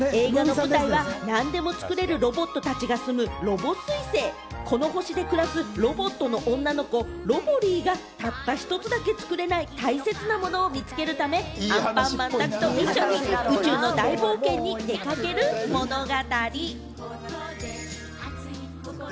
映画の舞台は何でもつくれるロボットたちが住む、ロボ彗星がこの星で暮らすロボットの女の子・ロボリィがたった一つだけつくれない大切なものを見つけるため、アンパンマンたちと宇宙の大冒険に出かける物語。